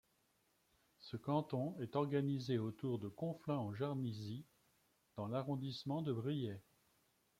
Ce canton est organisé autour de Conflans-en-Jarnisy dans l'arrondissement de Briey.